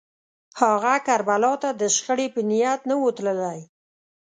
هغه کربلا ته د شخړې په نیت نه و تللی